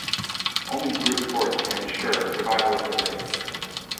Only brute force can ensure survival of the race.